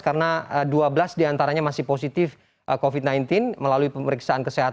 karena dua belas diantaranya masih positif covid sembilan belas melalui pemeriksaan kesehatan